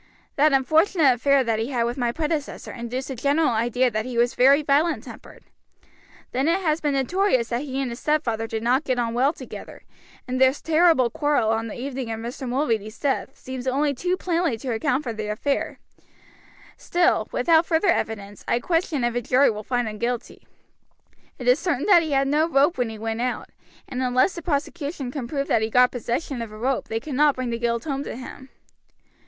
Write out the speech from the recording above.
That unfortunate affair that he had with my predecessor induced a general idea that he was very violent tempered. Then it has been notorious that he and his stepfather did not get on well together, and this terrible quarrel on the evening of Mr. Mulready's death seems only too plainly to account for the affair; still, without further evidence, I question if a jury will find him guilty. It is certain he had no rope when he went out, and unless the prosecution can prove that he got possession of a rope they cannot bring the guilt home to him."